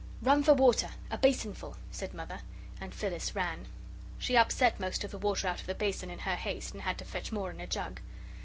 "Run for water a basinful," said Mother, and Phyllis ran. She upset most of the water out of the basin in her haste, and had to fetch more in a jug.